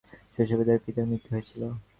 শৈশবেই তার পিতার মৃত্যু হয়েছিল।